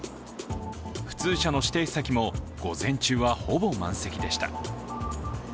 普通車の指定席も午前中はほぼ満席でした。